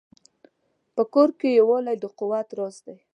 په کور کې یووالی د قوت راز دی.